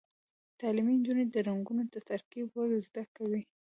تعلیم نجونو ته د رنګونو ترکیب ور زده کوي.